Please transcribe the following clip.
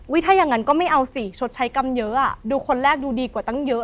ถ้าอย่างนั้นก็ไม่เอาสิชดใช้กรรมเยอะดูคนแรกดูดีกว่าตั้งเยอะ